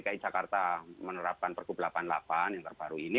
dki jakarta menerapkan perhubungan delapan puluh delapan yang terbaru ini